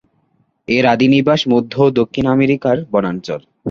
এর আদি নিবাস মধ্য ও দক্ষিণ আমেরিকার বনাঞ্চল।